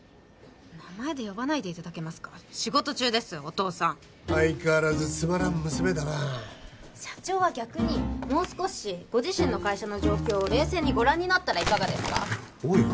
名前で呼ばないでいただけますか仕事中ですよお父さん相変わらずつまらん娘だな社長は逆にもう少しご自身の会社の状況を冷静にご覧になったらいかがですかおい